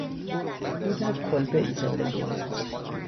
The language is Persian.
او در کلبهای زندگی میکند.